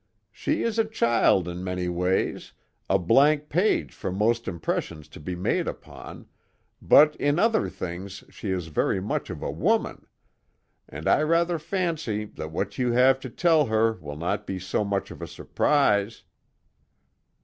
"She is a child in many ways, a blank page for most impressions to be made upon, but in other things she is very much of a woman, and I rather fancy that what you have to tell her will not be so much of a surprise."